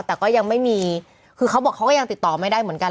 แต่ก็ยังไม่มีคือเขาบอกเขาก็ยังติดต่อไม่ได้เหมือนกัน